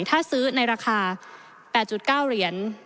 ถ้าซื้อในราคา๘๙เหรียญ